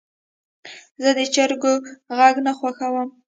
زه د چرګو غږ نه خوښوم.